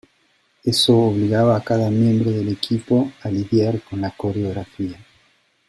Eso obligaba a cada miembro del equipo a lidiar con la coreografía.